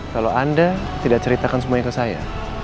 kalau anda tidak ceritakan semuanya ke saya